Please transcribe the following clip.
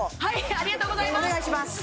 ありがとうございます